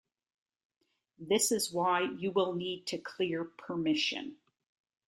This is why you will need to clear permission.